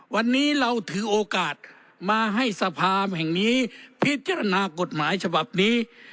วันนี้เราถือโอกาสมาให้สภาแห่งนี้